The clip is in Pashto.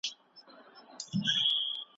پاچا به یوازې د خپلو شهواني غوښتنو په فکر کې و.